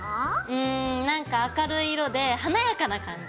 うん何か明るい色で華やかな感じ。